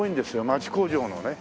町工場のね